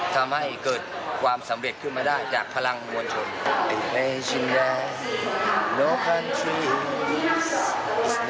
ทำให้เกิดความสำเร็จที่มาได้จากพลังเหววเงินชน